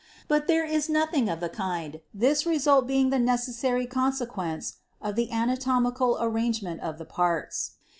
But there is nothing of the kind, this result being the necessary consequence of the anatomical arrangement of the parts.